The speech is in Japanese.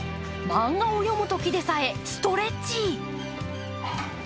漫画を読むときでさえストレッチ。